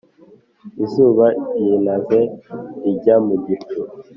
izuba ryinaze rijya mu gicu.